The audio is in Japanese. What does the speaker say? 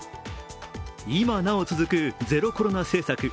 今なお続くゼロコロナ政策。